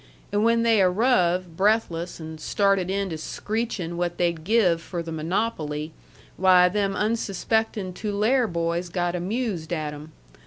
And when they arruv, breathless, an' started in to screechin' what they'd give for the monopoly, why, them unsuspectin' Tulare boys got amused at 'em.